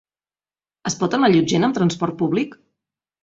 Es pot anar a Llutxent amb transport públic?